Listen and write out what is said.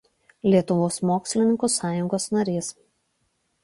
Lietuvos mokslininkų sąjungos narys.